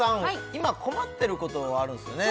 今困ってることあるんですよね？